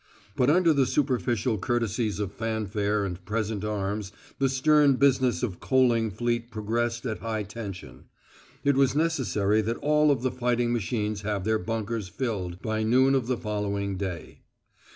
But under the superficial courtesies of fanfare and present arms the stern business of coaling fleet progressed at high tension. It was necessary that all of the fighting machines have their bunkers filled by noon of the following day.